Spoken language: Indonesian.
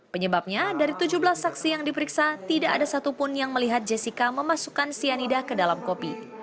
penyebabnya dari tujuh belas saksi yang diperiksa tidak ada satupun yang melihat jessica memasukkan cyanida ke dalam kopi